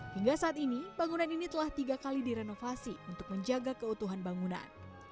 hingga saat ini bangunan ini telah tiga kali direnovasi untuk menjaga keutuhan bangunan